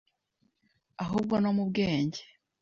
ahubwo no mu bwenge,